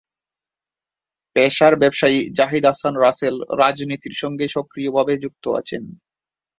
পেশার ব্যবসায়ী জাহিদ আহসান রাসেল রাজনীতির সঙ্গে সক্রিয় ভাবে যুক্ত আছেন।